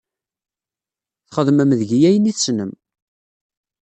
Txedmem deg-i ayen i tessnem.